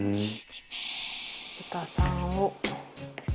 豚さんを。